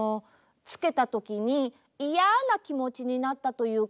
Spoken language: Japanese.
つけたときにいやなきもちになったというか。